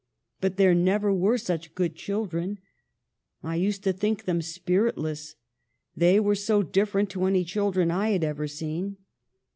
But there never were such good children. I used to think them spiritless, they were so different to any children I had ever seen.